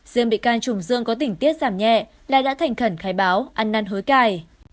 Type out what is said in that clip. riêng bị can trùng dương có tỉnh tiết giảm nhẹ lại đã thành khẩn khai báo ăn năn hối cài